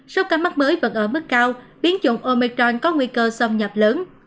sau các mắt mới vẫn ở mức cao biến chủng omicron có nguy cơ xâm nhập lớn